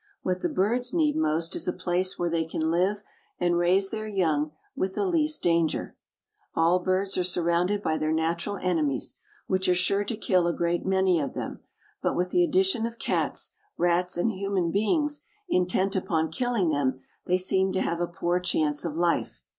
What the birds need most is a place where they can live and raise their young with the least danger. All birds are surrounded by their natural enemies, which are sure to kill a great many of them, but with the addition of cats, rats and human beings intent upon killing them they seem to have a poor chance of life.